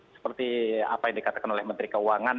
seperti apa yang dikatakan oleh menteri keuangan